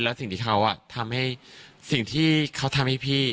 และสิ่งที่เขาทำให้สิ่งที่เขาทำให้พี่